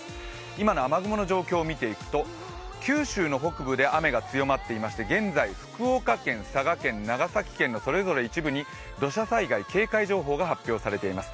今の雨雲の状況見ていくと九州の北部で雨が強まっていまして現在、福岡県、佐賀県、長崎県のそれぞれ一部に土砂災害警戒情報が発表されています。